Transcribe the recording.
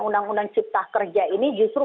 undang undang cipta kerja ini justru